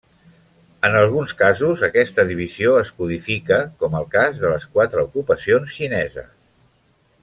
En alguns casos aquesta divisió es codifica, com el cas de les quatre ocupacions xineses.